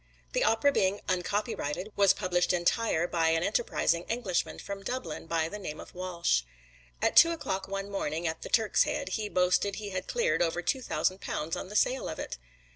The opera being uncopyrighted, was published entire by an enterprising Englishman from Dublin by the name of Walsh. At two o'clock one morning at the "Turk's Head," he boasted he had cleared over two thousand pounds on the sale of it.